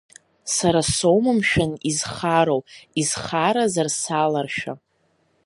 Сара соума, мшәан изхароу, исхаразар, саларшәа?!